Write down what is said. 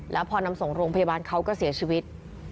แล้วพอนำส่งโรงพยาบาลเขาก็เสียชีวิต